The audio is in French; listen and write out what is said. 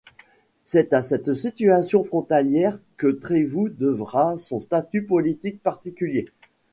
C'est à cette situation frontalière que Trévoux devra son statut politique particulier.